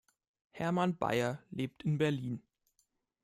Hermann Beyer lebt in Berlin.